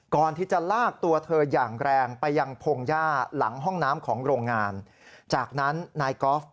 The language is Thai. ก่อนที่จะลากตัวเธออย่างแรงไปยังพงหญ้าหลังห้องน้ำของโรงงานจากนั้นนายกอล์ฟ